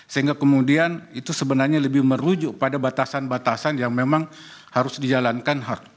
sehingga kemudian itu sebenarnya lebih merujuk pada batasan batasan yang memang harus dijalankan